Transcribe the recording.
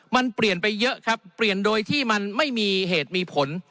มันเปลี่ยนไปเยอะครับเปลี่ยนโดยที่มันไม่มีเหตุมีผล